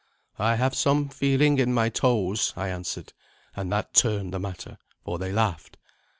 "I have some feeling in my toes," I answered; and that turned the matter, for they laughed.